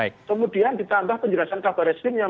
kemudian ditambah penjelasan kabar eskrim yang